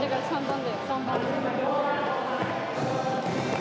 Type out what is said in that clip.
３番。